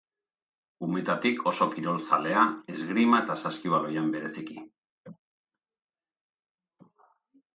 Umetatik oso kirol zalea, esgrima eta saskibaloian bereziki.